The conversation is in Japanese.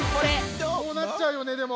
こうなっちゃうよねでも。